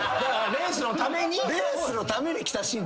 レースのために北新地？